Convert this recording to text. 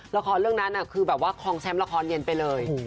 ละครเรื่องนั้นคือแบบว่าคลองแชมป์ละครเย็นไปเลย